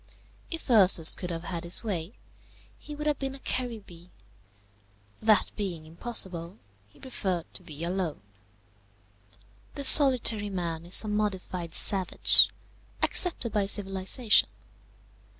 If Ursus could have had his way, he would have been a Caribbee; that being impossible, he preferred to be alone. The solitary man is a modified savage, accepted by civilization.